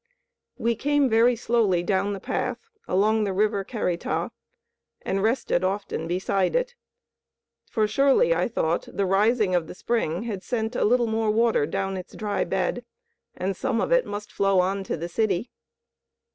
We came very slowly down the path along the river Carita, and rested often beside it, for surely, I thought, the rising of the spring had sent a little more water down its dry bed, and some of it must flow on to the city.